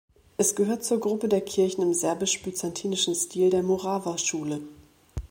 Es gehört zur Gruppe der Kirchen im serbisch-byzantinischen Stil der Morava-Schule.